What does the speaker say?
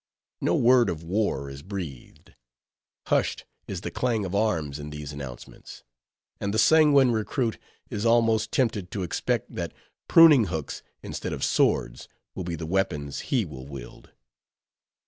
No word of war is breathed; hushed is the clang of arms in these announcements; and the sanguine recruit is almost tempted to expect that pruning hooks, instead of swords, will be the weapons he will wield.